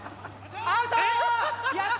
アウト！